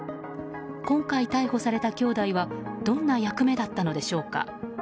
今回逮捕された兄弟はどんな役目だったのでしょうか。